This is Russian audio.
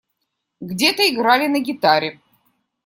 Где-то играли на гитаре.